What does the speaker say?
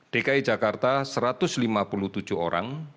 dki jakarta satu ratus lima puluh tujuh orang